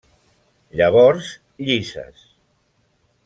Llavors llises.